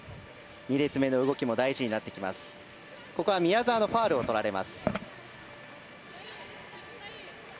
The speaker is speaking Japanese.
２列目の動きも大事になってきます。